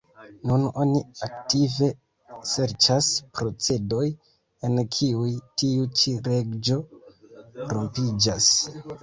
Nun oni aktive serĉas procedoj en kiuj tiu ĉi leĝo rompiĝas.